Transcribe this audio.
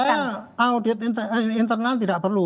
saya audit internal tidak perlu